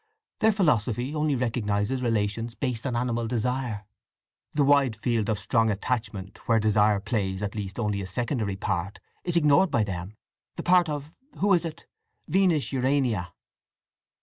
Their philosophy only recognizes relations based on animal desire. The wide field of strong attachment where desire plays, at least, only a secondary part, is ignored by them—the part of—who is it?—Venus Urania."